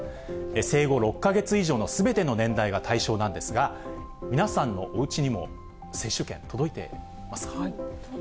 生後６か月以上のすべての年代が対象なんですが、皆さんのおうち届いてますね。